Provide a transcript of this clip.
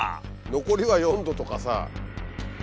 残りは４℃とかさ。